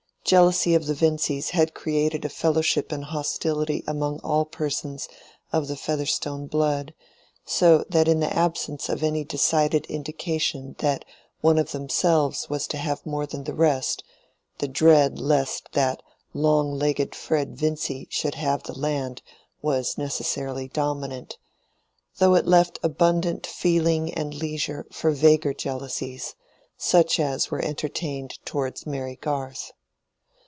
Jealousy of the Vincys had created a fellowship in hostility among all persons of the Featherstone blood, so that in the absence of any decided indication that one of themselves was to have more than the rest, the dread lest that long legged Fred Vincy should have the land was necessarily dominant, though it left abundant feeling and leisure for vaguer jealousies, such as were entertained towards Mary Garth.